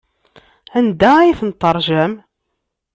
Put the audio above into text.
Anda ay tent-teṛjam?